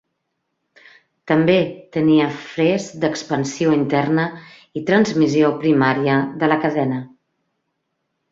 També tenia fres d"expansió interna i transmissió primària de la cadena.